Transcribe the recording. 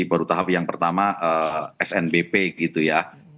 baru tahap yang pertama snbp gitu ya